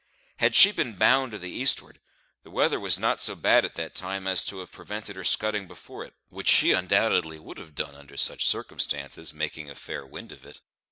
Had she been bound to the eastward, the weather was not so bad at that time as to have prevented her scudding before it, which she undoubtedly would have done under such circumstances, making a fair wind of it.